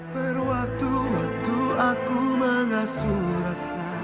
berwaktu waktu aku mengasuh rasa